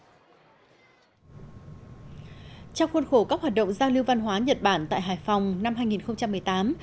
trong khuôn khổ các hoạt động giao lưu văn hóa nhật bản tại hải phòng năm hai nghìn một mươi tám